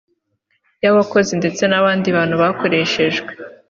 y abakozi ndetse n abandi bantu bakoreshejwe